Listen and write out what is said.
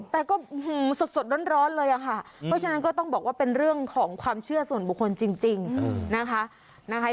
แต่ก็สดร้อนเลยค่ะเพราะฉะนั้นก็ต้องบอกว่าเป็นเรื่องของความเชื่อส่วนบุคคลจริงนะคะ